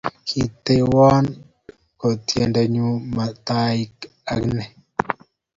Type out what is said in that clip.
Kiitewon konetindenyu matayai akeny